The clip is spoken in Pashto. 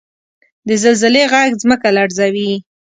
• د زلزلې ږغ ځمکه لړزوي.